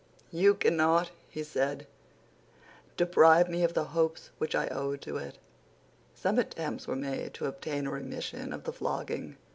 "You cannot," he said, "deprive me of the hopes which I owe to it." Some attempts were made to obtain a remission of the flogging.